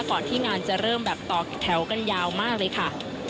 ก่อนที่งานจะเริ่มแบบต่อแถวกันยาวมากเลยค่ะ